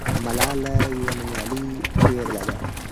ملالۍ یوه نومیالۍ پیغله ده.